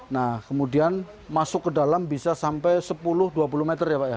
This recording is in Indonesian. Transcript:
nah kemudian masuk ke dalam bisa sampai sepuluh dua puluh meter ya pak ya